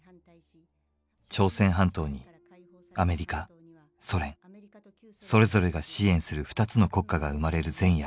朝鮮半島にアメリカソ連それぞれが支援する２つの国家が生まれる前夜